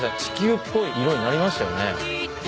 地球っぽい色になりましたよね。